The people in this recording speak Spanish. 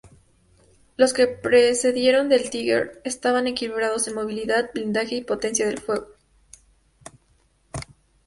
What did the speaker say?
Los que precedieron al Tiger estaban equilibrados en movilidad, blindaje y potencia de fuego.